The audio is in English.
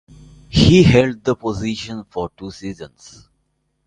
He held that position for two seasons.